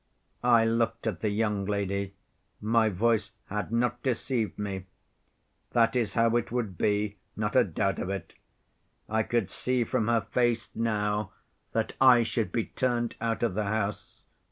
' I looked at the young lady, my voice had not deceived me. That is how it would be, not a doubt of it. I could see from her face now that I should be turned out of the house.